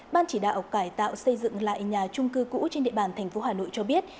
ban chỉ đạo cải tạo xây dựng lại nhà trung cư cũ trên địa bàn thành phố hà nội cho biết